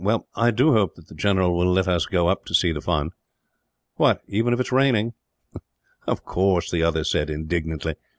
Well, I do hope that the general will let us go up to see the fun." "What, even if it is raining?" "Of course," the other said, indignantly.